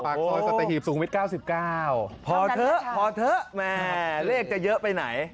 ปากซอยสัตหีบสูงวิท๙๙พอเถอะพอเถอะแม่เลขจะเยอะไปไหน